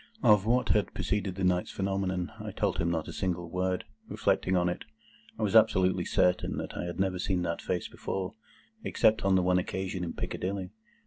Of what had preceded that night's phenomenon, I told him not a single word. Reflecting on it, I was absolutely certain that I had never seen that face before, except on the one occasion in Piccadilly.